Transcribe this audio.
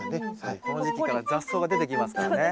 この時期から雑草が出てきますからね。